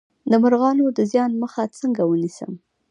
د مرغانو د زیان مخه څنګه ونیسم؟